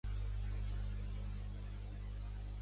A quantes bèsties toca l'ombra, quan el sol és post!